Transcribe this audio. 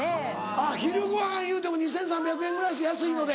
あぁ昼ご飯いうても２３００円ぐらいする安いので。